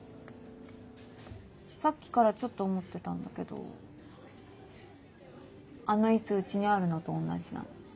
さっきからちょっと思ってたんだけどあの椅子家にあるのと同じなの。